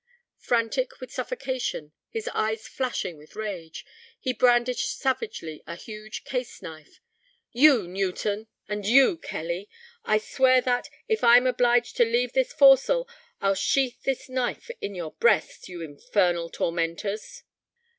Frantic with suffocation, his eyes flashing with rage, he brandished savagely a huge case knife: "You, Newton! and you Kelly! I swear that, if I am obliged to leave this forecastle, I'll sheath this knife in your breasts, you infernal tormentors!"